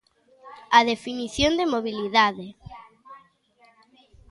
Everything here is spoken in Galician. A definición de mobilidade.